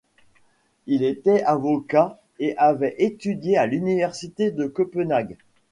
Il était avocat et avait étudié à l'Université de Copenhague.